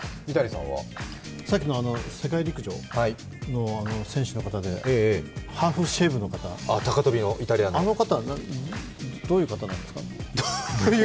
さっきの世界陸上の選手の方でハーフシェイプの方、あの方、どういう方なんですか。